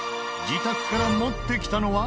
自宅から持ってきたのは？